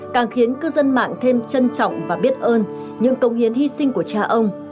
càng khiến cư dân mạng thêm trân trọng và biết ơn những công hiến hy sinh của cha ông